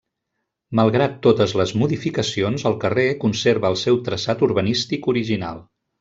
Malgrat totes les modificacions, el carrer conserva el seu traçat urbanístic original.